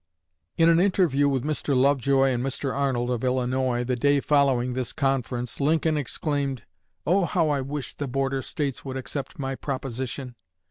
In an interview with Mr. Lovejoy and Mr. Arnold, of Illinois, the day following this conference, Lincoln exclaimed: "Oh, how I wish the border States would accept my proposition!